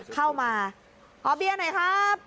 เข้ามาขอเบียร์หน่อยครับ